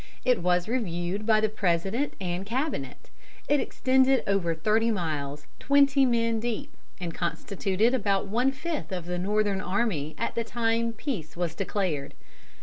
It was reviewed by the President and Cabinet; it extended over thirty miles twenty men deep, and constituted about one fifth of the Northern army at the time peace was declared.